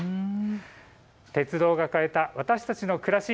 鉄道が変えた私たちの暮らし。